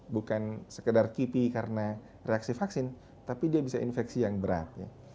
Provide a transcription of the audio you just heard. bukan sekedar kipi karena reaksi vaksin tapi dia bisa infeksi yang berat